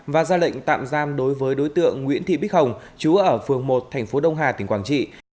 và ra lệnh tạm giam đối với đối tượng nguyễn thị bích hồng chú ở phường một thành phố đông hà tỉnh quảng trị